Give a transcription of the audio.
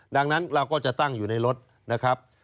ดังนั้นเราก็จะตั้งอยู่ในรถนะครับ